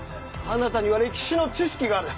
あなたには歴史の知識がある！